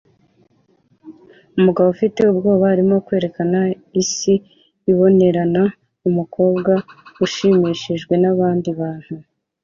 Umugabo ufite ubwoba arimo kwerekana isi ibonerana kumukobwa ushimishijwe nabandi bantu